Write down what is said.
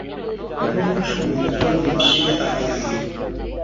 কথা বলার সময় একবারও দিপার দিকে তাকালেন না।